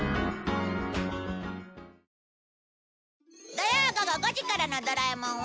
土曜午後５時からの『ドラえもん』は